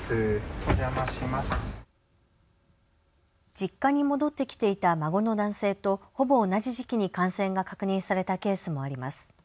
実家に戻ってきていた孫の男性とほぼ同じ時期に感染が確認されたケースもあります。